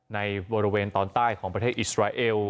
ในบริเวณตอนใต้ของประเทศอิสราเอล